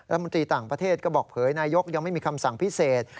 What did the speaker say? รัฐมนตรีต่างประเทศก็บอกเผยนายกยังไม่มีคำสั่งพิเศษ